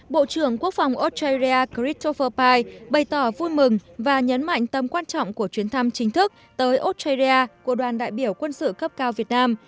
bộ trưởng quốc phòng australia christopher pye bày tỏ vui mừng và nhấn mạnh tâm quan trọng của chuyến thăm chính thức tới australia của đoàn đại biểu quân sự cấp cao việt nam